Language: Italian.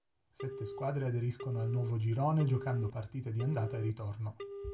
Sette squadre aderiscono al nuovo girone giocando partite di andata e ritorno.